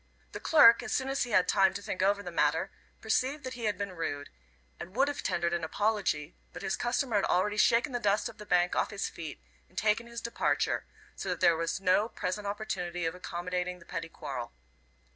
The clerk, as soon as he had time to think over the matter, perceived that he had been rude, and would have tendered an apology, but his customer had already shaken the dust of the bank off his feet and taken his departure, so that there was no present opportunity of accommodating the petty quarrel.